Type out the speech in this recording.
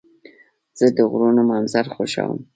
زه د غرونو منظر خوښوم.